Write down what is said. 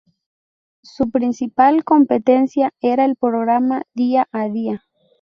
Su principal competencia era el programa Día a día.